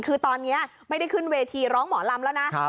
คือตอนนี้ไม่ได้ขึ้นเวทีร้องหมอลำแล้วนะ